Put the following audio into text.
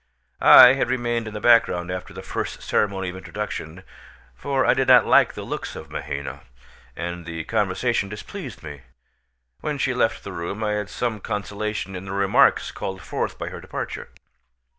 I had remained in the background after the first ceremony of introduction, for I did not like the looks of Mahaina, and the conversation displeased me. When she left the room I had some consolation in the remarks called forth by her departure.